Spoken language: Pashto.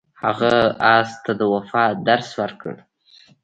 هغه اس ته د وفا درس ورکړ.